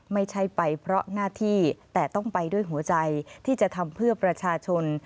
ไม่ใช่ไปเพราะหน้าที่แต่ต้องไปด้วยหัวใจที่จะทำเพื่อประชาชน